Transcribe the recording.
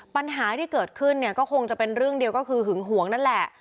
ปัญหาที่เกิดขึ้นเนี่ยก็คงจะเป็นเรื่องเดียวก็คือหึงหวงนั่นแหละ